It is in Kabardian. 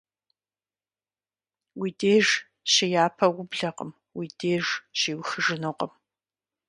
Уи деж щыяпэ ублэкъым, уи деж щиухыжынукъым.